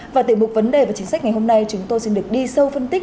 và từ bục vấn đề và chính sách ngày hôm nay chúng tôi xin được đi sâu phân tích